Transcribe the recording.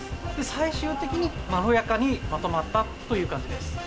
最終的に、まろやかにまとまったという感じです。